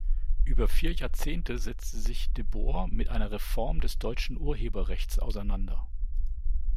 Über vier Jahrzehnte setzte sich de Boor mit einer Reform des deutschen Urheberrechts auseinander.